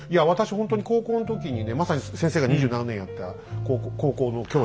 ほんとに高校の時にねまさに先生が２７年やった高校の教師